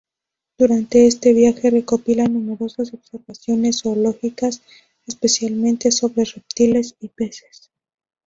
Durante este viaje, recopila numerosas observaciones zoológicas, especialmente sobre reptiles y peces.